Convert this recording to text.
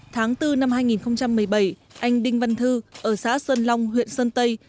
tháng bốn năm hai nghìn một mươi bảy anh đinh văn thư ở xã xuân long huyện sơn tây